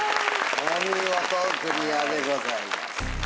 お見事クリアでございます。